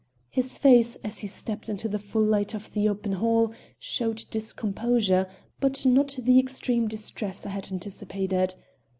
His face, as he stepped into the full light of the open hall, showed discomposure, but not the extreme distress I had anticipated.